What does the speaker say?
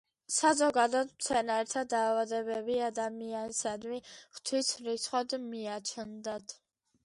საზოგადოდ, მცენარეთა დაავადებები ადამიანისადმი „ღვთის რისხვად“ მიაჩნდათ.